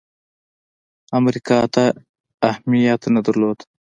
امریکا ته اهمیت نه درلود.